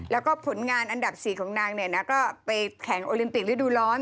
แล้วก็ผลงานอันดับ๔ของนางเนี่ยนะก็ไปแข่งโอลิมปิกฤดูร้อน